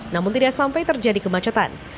namun tidak sampai terjadi kemacetan